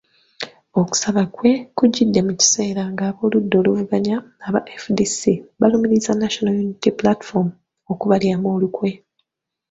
Okusaba kwe kujjidde mu kiseera nga ab’oludda oluvuganya aba FDC balumiriza National Unity Platform okubalyamu olukwe .